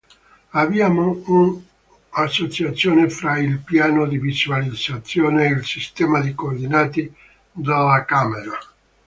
Abbiamo un'associazione fra il piano di visualizzazione e il sistema di coordinate della camera.